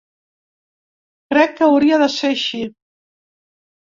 Crec que hauria de ser així.